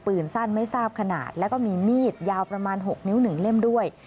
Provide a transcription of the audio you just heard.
สั้นไม่ทราบขนาดแล้วก็มีมีดยาวประมาณ๖นิ้ว๑เล่มด้วย